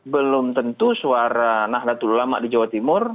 belum tentu suara nahdlatul ulama di jawa timur